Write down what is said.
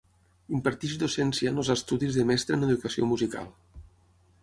Imparteix docència en els estudis de Mestre en Educació Musical.